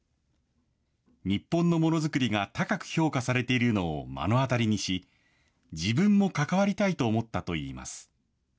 日本のものづくりが高く評価されているのを目の当たりにし、自分も関わりたいと思ったといいます。